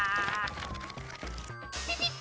ピピッ！